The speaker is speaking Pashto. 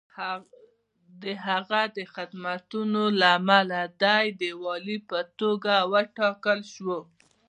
د هغه د خدمتونو له امله دی د والي په توګه وټاکل شو.